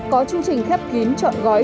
có chương trình khép kín chọn gói